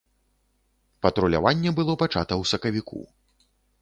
Патруляванне было пачата ў сакавіку.